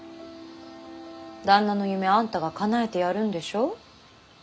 旦那の夢あんたがかなえてやるんでしょ？